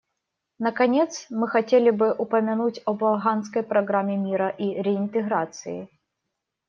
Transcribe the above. Наконец, мы хотели бы упомянуть об Афганской программе мира и реинтеграции.